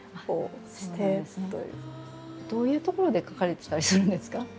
どういう所で書かれてたりするんですか？